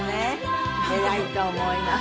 偉いと思います。